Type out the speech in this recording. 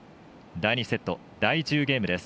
第２セット、第１０ゲームです。